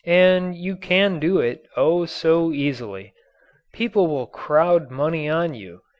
And you can do it, oh, so easily. People will crowd money on you.